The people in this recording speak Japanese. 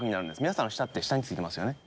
皆さんの舌って下についてますよね。